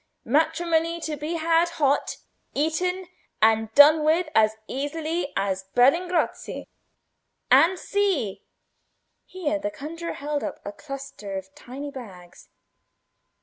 Matrimony to be had—hot, eaten, and done with as easily as berlingozzi! And see!" here the conjuror held up a cluster of tiny bags.